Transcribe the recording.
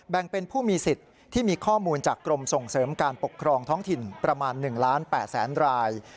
เป็นผู้มีสิทธิ์ที่มีข้อมูลจากกรมส่งเสริมการปกครองท้องถิ่นประมาณ๑ล้าน๘แสนราย